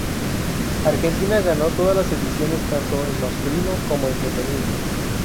Argentina ganó todas las ediciones tanto en masculino como en femenino.